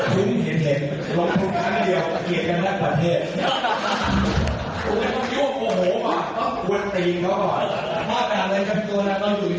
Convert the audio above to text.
ตอนอยู่ที่ซ่อนอยู่ก่อน